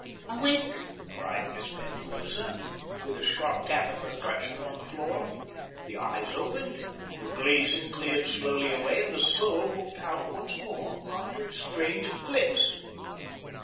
"Awake!" cried Miss Penclosa, with a sharp tap of her crutch upon the floor. The eyes opened, the glazing cleared slowly away, and the soul looked out once more after its strange eclipse.